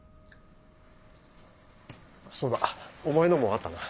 そうだお前のもあったな。